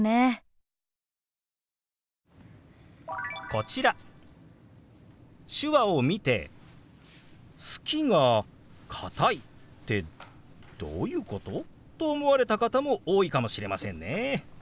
こちら手話を見て「『好きがかたい』ってどういうこと？」と思われた方も多いかもしれませんね。